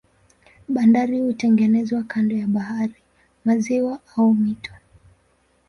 Bandari hutengenezwa kando ya bahari, maziwa au mito.